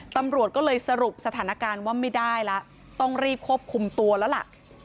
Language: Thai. ตำรวจก็เลยสรุปสถานการณ์ว่าไม่ได้แล้วต้องรีบควบคุมตัวแล้วล่ะ